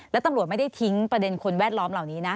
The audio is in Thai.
แล้วตำรวจไม่ได้ทิ้งประเด็นคนแวดล้อมเหล่านี้นะ